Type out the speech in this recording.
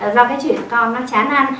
do cái chuyện con nó chán ăn